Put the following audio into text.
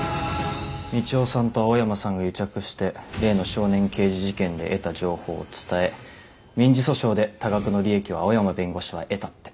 みちおさんと青山さんが癒着して例の少年刑事事件で得た情報を伝え民事訴訟で多額の利益を青山弁護士は得たって。